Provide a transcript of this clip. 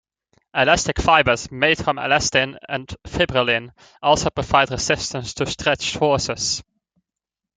Elastic fibers, made from elastin and fibrillin, also provide resistance to stretch forces.